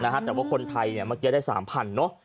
แต่ว่าคนไทยเมื่อกี้ได้๓๐๐เนอะ